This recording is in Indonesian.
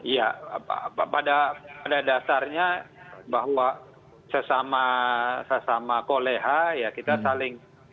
ya pada dasarnya bahwa sesama koleha ya kita saling